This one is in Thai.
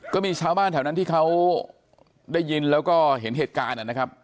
ก็มีชาวบ้านแถวนั้นที่เขาได้ยินแล้วก็เห็นเหตุการณ์นะครับ